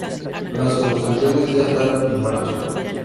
Las construcciones ya están en marcha.